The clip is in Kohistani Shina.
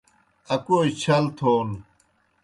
اکوجیْ چھل تھون